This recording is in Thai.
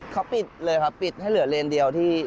เขาปิดเลยครับปิดให้เหลือเลนเดียวที่